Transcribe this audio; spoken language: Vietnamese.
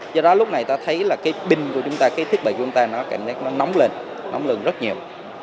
do đó lúc này ta thấy là cái pin của chúng ta cái thiết bị của chúng ta nó cảm giác nó nóng lên nóng hơn rất nhiều